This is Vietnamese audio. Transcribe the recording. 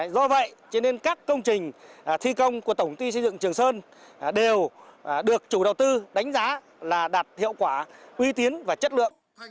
do vậy các công trình thi công của tổng công ty xây dựng trường sơn đều được chủ đầu tư đánh giá là đạt hiệu quả uy tiến và chất lượng